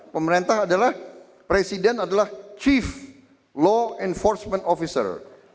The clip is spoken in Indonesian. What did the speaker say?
pemerintah adalah presiden adalah chief law enforcement officer